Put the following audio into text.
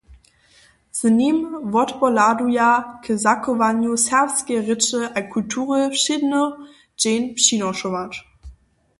Z nim wotpohladuja k zachowanju serbskeje rěče a kultury wšědny dźeń přinošować.